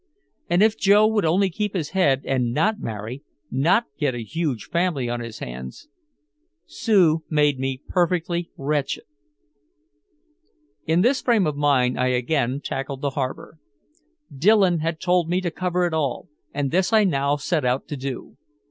And if Joe would only keep his head and not marry, not get a huge family on his hands Sue made me perfectly wretched. In this frame of mind I again tackled the harbor. Dillon had told me to cover it all, and this I now set out to do.